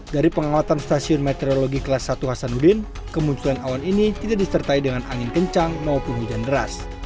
dari pengawasan stasiun meteorologi kelas satu hasanuddin kemunculan awan ini tidak disertai dengan angin kencang maupun hujan deras